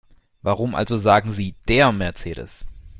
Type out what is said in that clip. Warum also sagen Sie DER Mercedes?